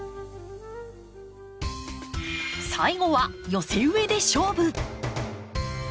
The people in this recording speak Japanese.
最後は寄せ植えで勝負！